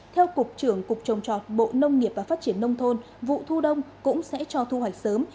theo cục trưởng cục trồng trọt bộ nông nghiệp và phát triển nông thôn vụ thu đông cũng sẽ cho thu hoạch sớm